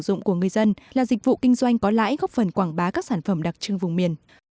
sử dụng của người dân là dịch vụ kinh doanh có lãi góp phần quảng bá các sản phẩm đặc trưng vùng miền